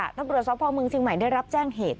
นักโรงปลอดภัยภาคเมืองเชียงใหม่ได้รับแจ้งเหตุ